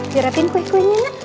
jerapin kue kuenya nek